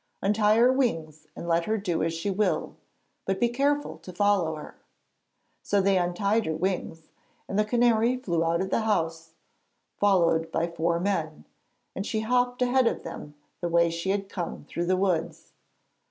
Untie her wings and let her do as she will, but be careful to follow her.' So they untied her wings, and the canary flew out of the house followed by four men, and she hopped ahead of them the way she had come through the woods.